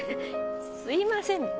「すいません」。